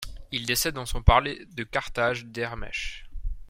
Il décède dans son palais de Carthage Dermech.